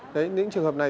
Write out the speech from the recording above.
đấy những trường hợp này